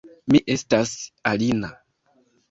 Mi estas Alina